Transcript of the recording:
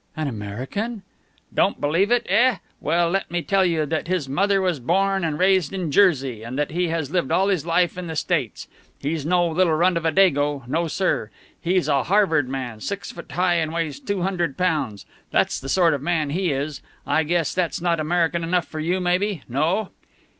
"An American!" "Don't believe it, eh? Well, let me tell you that his mother was born and raised in Jersey, and that he has lived all his life in the States. He's no little runt of a Dago. No, sir. He's a Harvard man, six foot high and weighs two hundred pounds. That's the sort of man he is. I guess that's not American enough for you, maybe? No?"